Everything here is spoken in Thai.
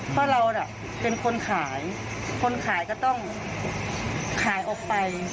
เพราะเราน่ะเป็นคนขายคนขายก็ต้องขายออกไป